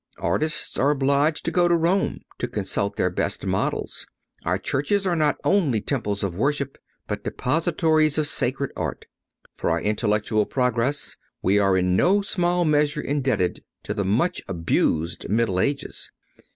Artists are obliged to go to Rome to consult their best models. Our churches are not only temples of worship, but depositories of sacred art. For our intellectual progress we are in no small measure indebted to the much abused Middle Ages.